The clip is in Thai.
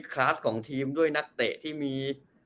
คลาสของทีมด้วยนักเตะที่มี